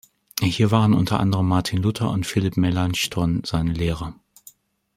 Hier waren unter anderem Martin Luther und Philipp Melanchthon seine Lehrer.